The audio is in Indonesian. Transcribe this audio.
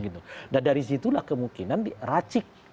nah dari situlah kemungkinan diracik